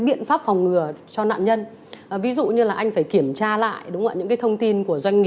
biện pháp phòng ngừa cho nạn nhân ví dụ như là anh phải kiểm tra lại đúng là những cái thông tin của